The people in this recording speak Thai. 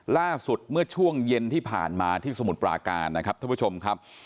ล่าสุดเมื่อช่วงเย็นที่ผ่านมาที่สมุทรปราการนะครับท่านผู้ชมครับ